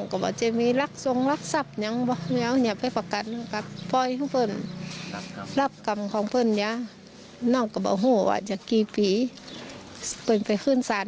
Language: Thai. กับความของเพื่อนเนี้ย